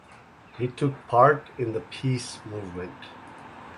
He took part in the peace movement.